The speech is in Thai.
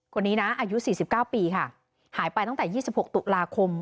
คนนี้นะอายุ๔๙ปีค่ะหายไปตั้งแต่๒๖ตุลาคม